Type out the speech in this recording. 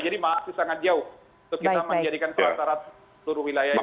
jadi masih sangat jauh untuk kita menjadikan pelaksanaan seluruh wilayahnya